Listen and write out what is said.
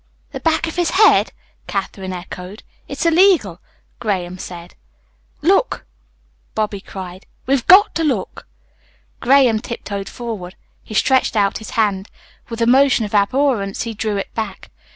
"The back of his head!" Katherine echoed. "It's illegal," Graham said. "Look!" Bobby cried. "We've got to look!" Graham tiptoed forward. He stretched out his hand. With a motion of abhorrence he drew it back.